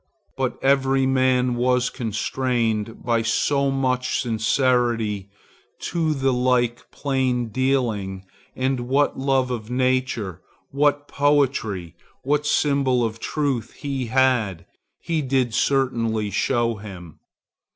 But every man was constrained by so much sincerity to the like plaindealing, and what love of nature, what poetry, what symbol of truth he had, he did certainly show him.